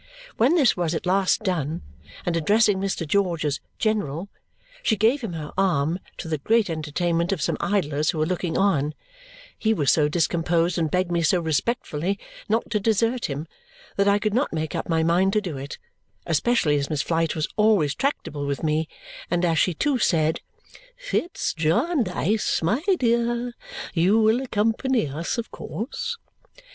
When this was at last done, and addressing Mr. George as "General," she gave him her arm, to the great entertainment of some idlers who were looking on, he was so discomposed and begged me so respectfully "not to desert him" that I could not make up my mind to do it, especially as Miss Flite was always tractable with me and as she too said, "Fitz Jarndyce, my dear, you will accompany us, of course."